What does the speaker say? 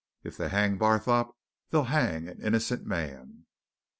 If they hang Barthorpe, they'll hang an innocent man.